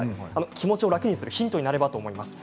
気持ちを楽にするヒントになります。